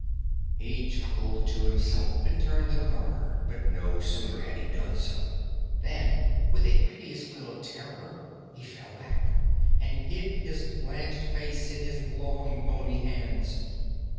He chuckled to himself, and turned the corner; but no sooner had he done so than, with a piteous wail of terror, he fell back, and hid his blanched face in his long, bony hands.